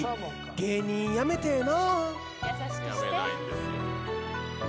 「芸人やめてぇな」